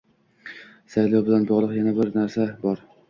Saylov bilan bog'liq yana bir narsa bor